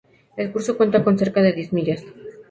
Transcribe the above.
El curso cuenta con cerca de diez millas.